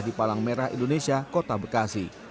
di palang merah indonesia kota bekasi